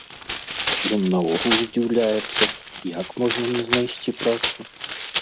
Ён наогул здзіўляецца, як можна не знайсці працу.